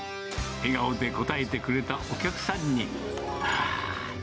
笑顔で答えてくれたお客さん